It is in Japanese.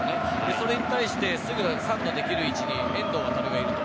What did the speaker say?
それに対してすぐサンドできる位置に遠藤航がいると。